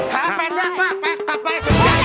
หาแฟนยากมากไปกลับไป